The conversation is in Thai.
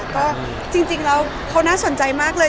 ก็จริงแล้วเขาน่าสนใจมากเลย